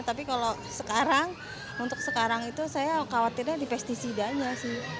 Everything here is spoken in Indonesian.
tapi kalau sekarang untuk sekarang itu saya khawatirnya di pesticidanya sih